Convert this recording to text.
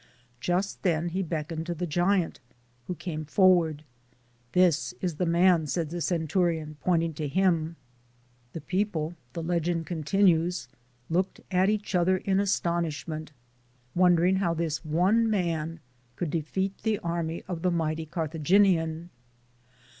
Just then he beckoned to the giant, who came forward. "This is the man," said the centurion, pointing to him. A NATIVE OF ANCIENT APULIA 5 The people, the legend continues, looked at each other in astonishment, wondering how this one man could defeat the army of the mighty Carthaginian.